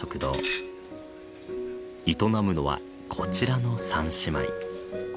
営むのはこちらの三姉妹。